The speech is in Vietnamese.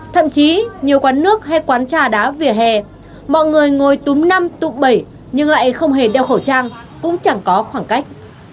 thậm chí nhiều quán nước hay quán trà đá vỉa hè mọi người ngồi túm năm tụ bảy nhưng lại không hề đeo khẩu trang cũng chẳng có khoảng cách